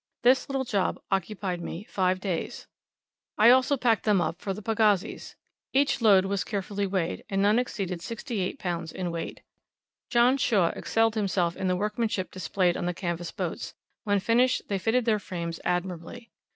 This little job occupied me five days. I also packed them up, for the pagazis. Each load was carefully weighed, and none exceeded 68 lbs. in weight. John Shaw excelled himself in the workmanship displayed on the canvas boats; when finished, they fitted their frames admirably.